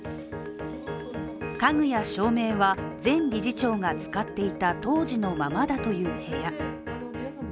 家具や照明は前理事長が使っていた当時のままだという部屋。